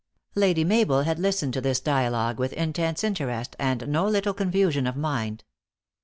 Lady Mabel had listened to this dialogue with in tense interest, and no little confusion of mind.